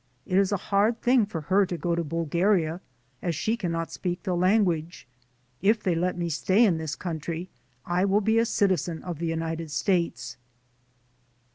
It is a hard thing for her to go to Bulgaria, as she cannot speak the language. If they let me stay in this country I will be a citizen of the United States."